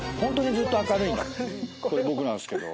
これ僕なんすけど。